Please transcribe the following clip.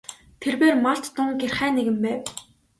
Тэрбээр малд тун гярхай нэгэн байв.